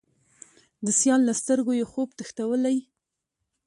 د سیال له سترګو یې، خوب تښتولی